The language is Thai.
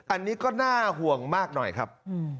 อันนี้ก็น่าห่วงมากหน่อยครับ